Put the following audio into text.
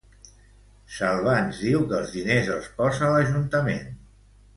Salvans diu que els diners els posa l'Ajuntament.